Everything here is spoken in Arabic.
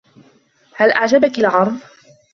هل أعجبكِ العرض؟